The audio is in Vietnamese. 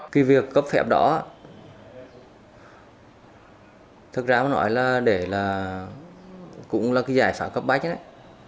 cái việc cấp phép đó thật ra nói là để là cũng là cái giải pháp cấp bách đấy